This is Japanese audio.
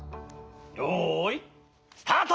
よいスタート！